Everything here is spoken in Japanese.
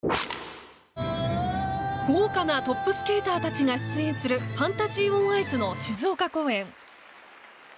豪華なトップスケーターたちが出演するファンタジー・オン・アイスの静岡公演。